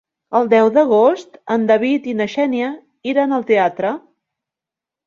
El deu d'agost en David i na Xènia iran al teatre.